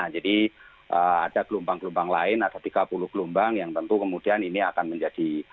jadi ada gelombang gelombang lain ada tiga puluh gelombang yang tentu kemudian ini akan menjadi